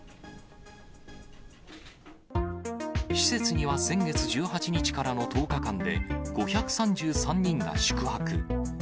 施設には先月１８日からの１０日間で、５３３人が宿泊。